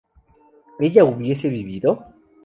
¿ella hubiese vivido?